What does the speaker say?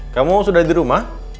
kamu sudah di rumah